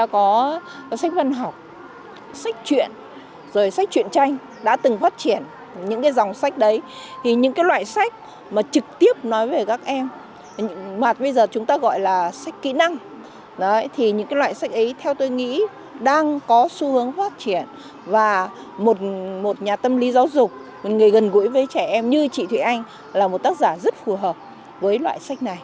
có xu hướng phát triển và một nhà tâm lý giáo dục người gần gũi với trẻ em như chị thụy anh là một tác giả rất phù hợp với loại sách này